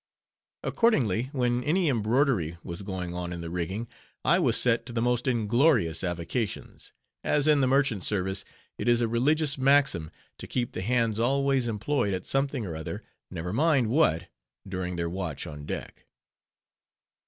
Accordingly, when any embroidery was going on in the rigging, I was set to the most inglorious avocations; as in the merchant service it is a religious maxim to keep the hands always employed at something or other, never mind what, during their watch on deck.